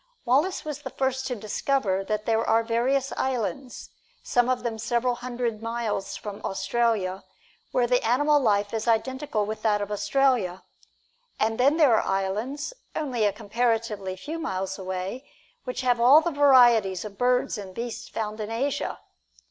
Wallace was the first to discover that there are various islands, some of them several hundred miles from Australia, where the animal life is identical with that of Australia. And then there are islands, only a comparatively few miles away, which have all the varieties of birds and beasts found in Asia.